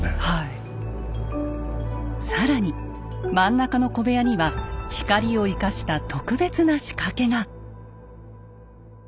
更に真ん中の小部屋には光を生かした特別な仕掛けが。